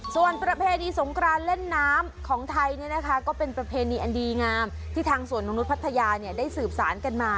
ส่วนประเพณีสงครานเล่นน้ำของไทยเนี่ยนะคะก็เป็นประเพณีอันดีงามที่ทางสวนนกนุษย์พัทยาได้สืบสารกันมา